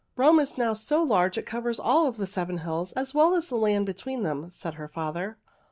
"Rome is now so large it covers all of the seven hills, as well as the land between them," said her father.